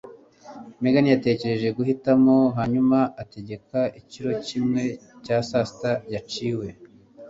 Megan yatekereje guhitamo hanyuma ategeka ikiro kimwe cya sasita yaciwe.